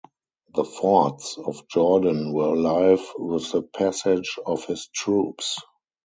The fords of Jordan were alive with the passage of his troops.